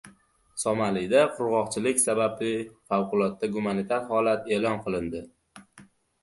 Somalida qurg‘oqchilik sababli favqulodda gumanitar holat e'lon qilindi